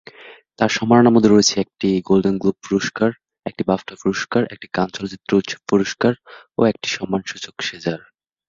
তার সম্মাননার মধ্যে রয়েছে একটি গোল্ডেন গ্লোব পুরস্কার, একটি বাফটা পুরস্কার, একটি কান চলচ্চিত্র উৎসব পুরস্কার ও একটি সম্মানসূচক সেজার।